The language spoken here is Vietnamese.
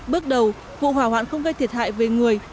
bước đầu vụ hỏa hoạn không gây thiệt hại về người